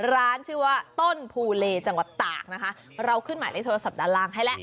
ร้านชื่อว่าต้นภูเลจังหวัดตากนะคะเราขึ้นหมายเลขโทรศัพท์ด้านล่างให้แล้ว